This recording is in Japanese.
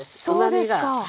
そうですか。